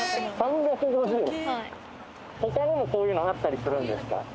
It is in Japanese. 他にもこういうのあったりするんですか？